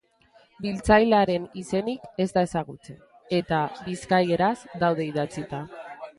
Biltzailearen izenik ez da ezagutzen, eta bizkaieraz daude idatzita.